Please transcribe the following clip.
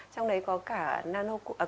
trong đấy cũng có rất là nhiều